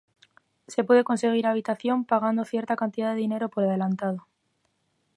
Se puede conseguir habitación pagando cierta cantidad de dinero por adelantado.